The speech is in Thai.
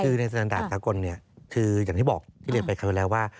คือในสถานด่านสากลเนี่ยคืออย่างที่บอกที่เรียนไปคราวแล้วว่า